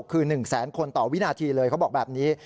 คือ๑แสนคนต่อวินาทีเลยเขาบอกแบบนี้